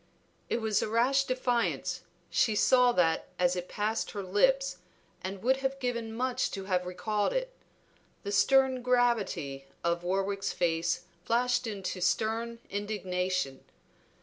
It was a rash defiance; she saw that as it passed her lips, and would have given much to have recalled it. The stern gravity of Warwick's face flashed into a stern indignation.